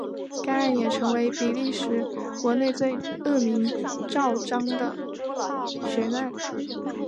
该案也成为比利时国内最恶名昭彰的悬案。